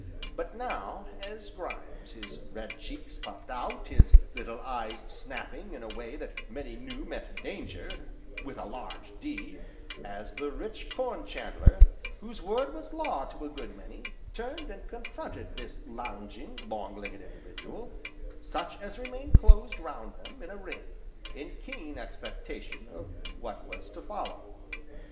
But now, as Grimes, his red cheeks puffed out, his little eyes snapping in a way that many knew meant danger (with a large D) as the rich Corn chandler, whose word was law to a good many, turned and confronted this lounging, long legged individual, such as remained closed round them in a ring, in keen expectation of what was to follow.